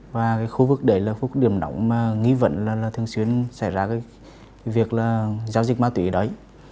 và khu vực đấy là khu điểm nóng mà nghĩ vận là thường xuyên xảy ra việc là giao dịch ma tùy đấy